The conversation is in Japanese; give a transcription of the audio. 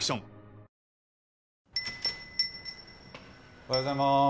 おはようございます。